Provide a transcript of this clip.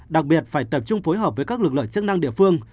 đặc biệt phải tập trung phối hợp với các lực lượng chức năng địa phương